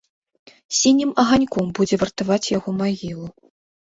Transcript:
Сінім аганьком будзе вартаваць яго магілу.